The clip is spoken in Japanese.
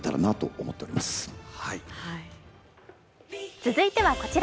続いてはこちら。